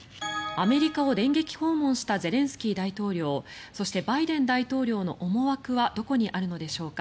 アメリカを電撃訪問したゼレンスキー大統領そして、バイデン大統領の思惑はどこにあるのでしょうか。